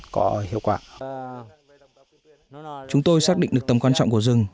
chúng tôi xác định được tầm quan trọng của rừng